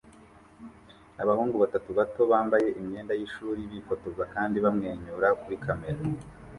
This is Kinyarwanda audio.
Abahungu batatu bato bambaye imyenda yishuri bifotoza kandi bamwenyura kuri kamera